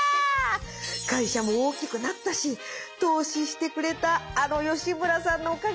会社も大きくなったし投資してくれたあの吉村さんのおかげだ。